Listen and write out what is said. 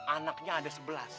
anaknya ada sebelas